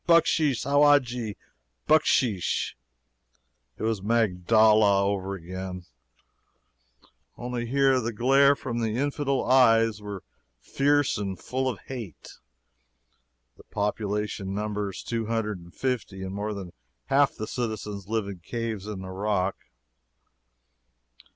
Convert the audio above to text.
bucksheesh! howajji, bucksheesh!" It was Magdala over again, only here the glare from the infidel eyes was fierce and full of hate. The population numbers two hundred and fifty, and more than half the citizens live in caves in the rock.